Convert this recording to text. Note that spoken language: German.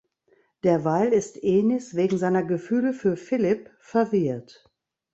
Derweil ist Enis wegen seiner Gefühle für Philipp verwirrt.